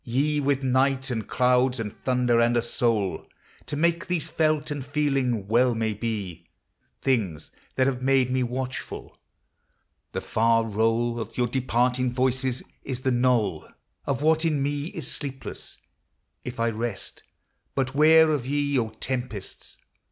ye With night, and clouds, and thunder, and a soul To make these felt and feeling, well may be Things that have made me watchful ; the far roll Of your departing voices is the knoll Of what in me is sleepless, — if I rest. But where of ye, O tempests